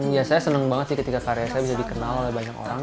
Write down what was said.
ya saya senang banget sih ketika karya saya bisa dikenal oleh banyak orang